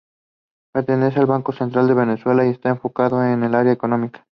Pertenece al Banco Central de Venezuela, y está enfocada en el área económica.